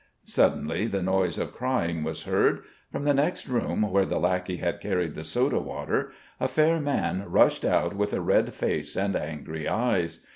Suddenly the noise of crying was heard. From the next room where the lackey had carried the soda water, a fair man rushed out with a red face and angry eyes.